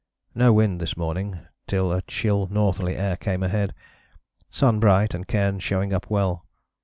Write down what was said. No wind this morning till a chill northerly air came ahead. Sun bright and cairns showing up well.